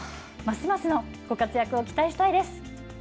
ますますのご活躍を期待したいです。